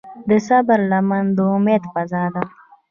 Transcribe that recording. د صبر لمن د امید فضا ده.